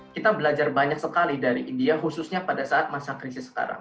kita belajar banyak sekali dari india khususnya pada saat masa krisis sekarang